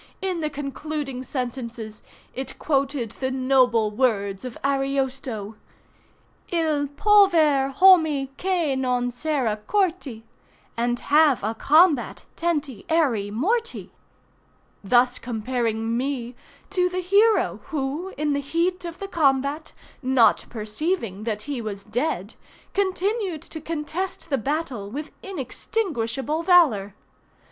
In the concluding sentences it quoted the noble words of Ariosto— Il pover hommy che non sera corty And have a combat tenty erry morty; thus comparing me to the hero who, in the heat of the combat, not perceiving that he was dead, continued to contest the battle with inextinguishable valor.